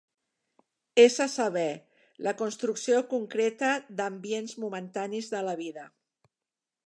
És a saber, la construcció concreta d'ambients momentanis de la vida.